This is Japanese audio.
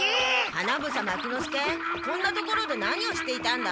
花房牧之介こんなところで何をしていたんだ？